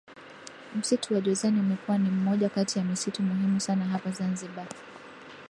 Msitu wa Jozani umekuwa ni mmoja kati ya Misitu muhimu sana hapa Zanzibar